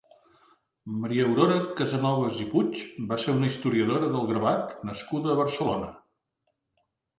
Maria Aurora Casanovas i Puig va ser una historiadora del gravat nascuda a Barcelona.